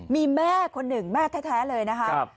มีแม่คนหนึ่งแม่แท้เลยนะคะ